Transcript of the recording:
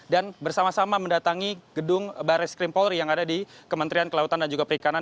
dan bersama sama mendatangi gedung baris krim polri yang ada di kementerian kelautan dan juga perikanan